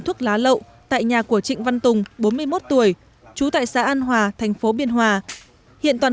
thuốc lá lậu tại nhà của trịnh văn tùng bốn mươi một tuổi trú tại xã an hòa thành phố biên hòa hiện toàn